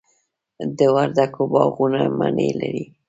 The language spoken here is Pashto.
د وردګو باغونه مڼې لري.